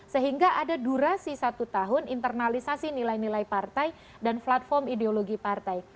sehingga ada durasi satu tahun internalisasi nilai nilai partai dan platform ideologi partai